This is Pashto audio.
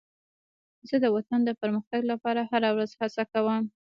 زه د وطن د پرمختګ لپاره هره ورځ هڅه کوم.